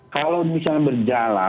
kalau misalnya berjalan